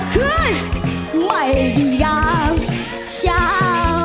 แต่คืนไม่ได้อย่างเช้า